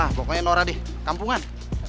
ah pokoknya nora di kampungan